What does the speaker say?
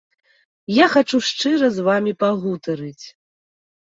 Я хачу шчыра з вамі пагутарыць.